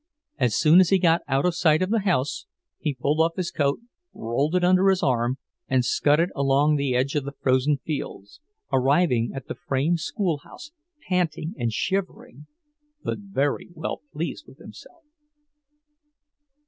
As soon as he got out of sight of the house, he pulled off his coat, rolled it under his arm, and scudded along the edge of the frozen fields, arriving at the frame schoolhouse panting and shivering, but very well pleased with himself.